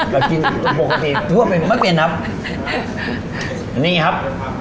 กินปกติทั่วเป็นไม่เปลี่ยนครับนี่ครับ